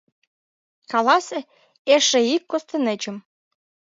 — Каласе: «Эше ик костенечым!»